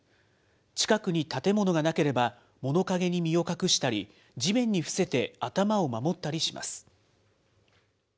近くに建物がなければ、物陰に身を隠したり、地面に伏せて頭を守ったりします。